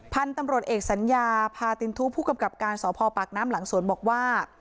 พันธุ์ตำรวจเอกสัญญาพาตินทุผู้กำกับการสพปากน้ำหลังสวนบอกว่า